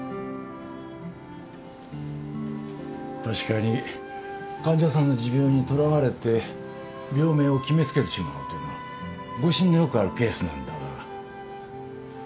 確かに患者さんの持病にとらわれて病名を決めつけてしまうというのは誤診のよくあるケースなんだが。